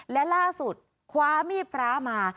และล่าสุดคว้ามีดพระมา